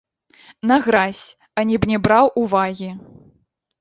На гразь ані б не браў увагі.